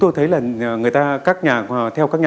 thời tiết lạnh